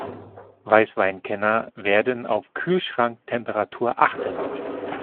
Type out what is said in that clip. Weißweinkenner werden auf Kühlschranktemperatur achten.